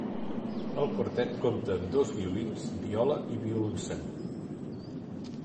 El quartet compta amb dos violins, viola i violoncel.